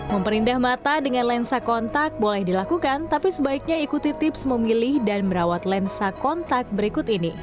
memperindah mata dengan lensa kontak boleh dilakukan tapi sebaiknya ikuti tips memilih dan merawat lensa kontak berikut ini